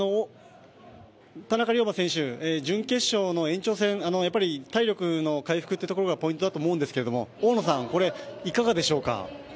田中龍馬選手、準決勝の延長戦、体力の回復がポイントだと思うんですが大野さん、これいかがでしょうか？